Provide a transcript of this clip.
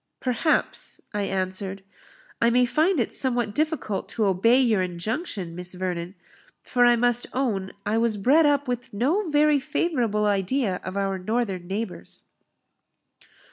"Perhaps," I answered, "I may find it somewhat difficult to obey your injunction, Miss Vernon; for I must own I was bred up with no very favourable idea of our northern neighbours."